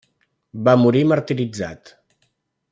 Va morir martiritzat.